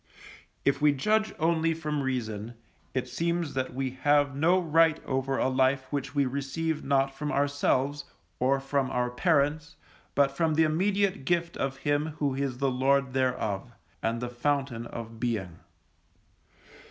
If we judge only from reason, it seems that we have no right over a life which we receive not from ourselves, or from our parents, but from the immediate gift of Him who is the Lord thereof, and the Fountain of Being.